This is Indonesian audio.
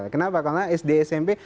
kenapa karena sd smp